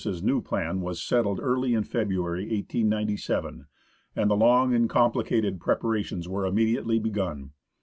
's new plan was settled early in February, 1897, and the long and complicated preparations were immediately begun.